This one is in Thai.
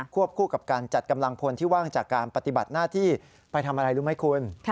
คู่กับการจัดกำลังพลที่ว่างจากการปฏิบัติหน้าที่ไปทำอะไรรู้ไหมคุณ